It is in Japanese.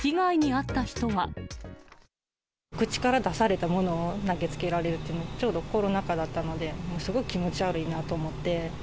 口から出されたものを投げつけられるっていうのは、ちょうどコロナ禍だったので、すごい気持ち悪いなと思って。